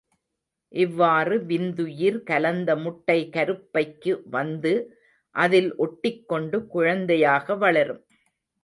இவ்வாறு விந்துயிர் கலந்த முட்டை கருப்பைக்கு வந்து அதில் ஒட்டிக் கொண்டு குழந்தையாக வளரும்.